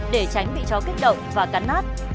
để tránh bị chó kích động và cắn nát